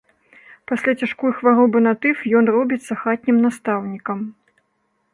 Пасля цяжкай хваробы на тыф ён робіцца хатнім настаўнікам.